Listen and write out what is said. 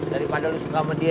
daripada lo suka sama dia